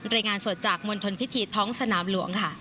รายงานสดจากมณฑลพิธีท้องสนามหลวงค่ะ